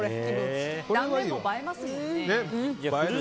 断面も映えますもんね。